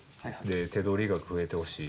「手取りが増えて欲しい」。